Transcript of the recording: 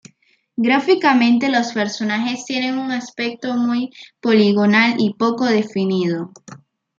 Gráficamente, los personajes tienen un aspecto muy poligonal y poco definido.